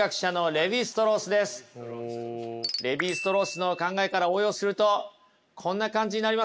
レヴィ＝ストロースの考えから応用するとこんな感じになりますよ。